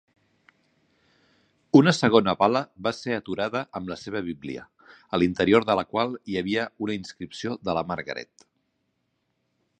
Una segona bala va ser aturada amb la seva bíblia, a l'interior de la qual hi havia una inscripció de la Margaret.